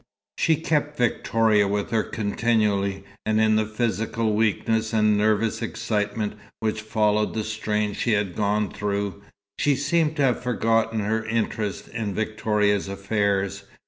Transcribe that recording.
She kept Victoria with her continually, and in the physical weakness and nervous excitement which followed the strain she had gone through, she seemed to have forgotten her interest in Victoria's affairs.